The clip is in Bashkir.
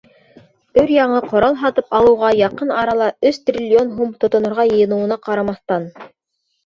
Өр-яңы ҡорал һатып алыуға яҡын арала өс триллион һум тотонорға йыйыныуына ҡарамаҫтан.